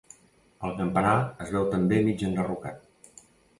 El campanar es veu també mig enderrocat.